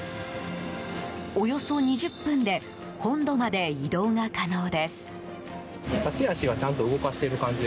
およそ２０分で本土まで移動が可能です。